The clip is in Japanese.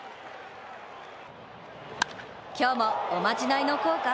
今日もおまじないの効果？